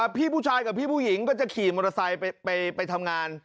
พี่ผู้ชายกับพี่ผู้หญิงก็จะขี่มอเตอร์ไซค์ไปทำงาน